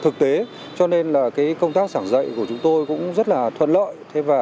thực tế cho nên là công tác sảng dạy của chúng tôi cũng rất là thuận lợi